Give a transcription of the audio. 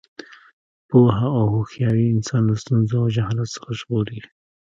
پوهه او هوښیاري انسان له ستونزو او جهالت څخه ژغوري.